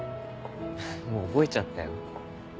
もう覚えちゃったよ。